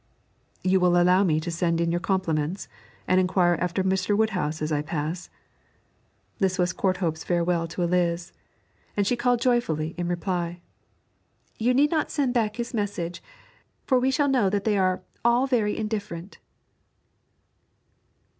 'You will allow me to send in your compliments and inquire after Mr. Woodhouse as I pass?' This was Courthope's farewell to Eliz, and she called joyfully in reply: 'You need not send back his message, for we shall know that they are "all very indifferent."'